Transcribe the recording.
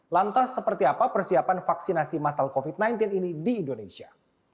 lantas seperti apa persiapan vaksinasi masal covid sembilan belas ini di indonesia